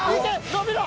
伸びろ！